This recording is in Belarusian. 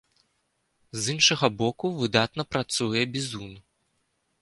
З іншага боку, выдатна працуе бізун.